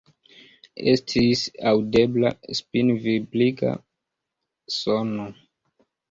Estis aŭdebla spinvibriga sono.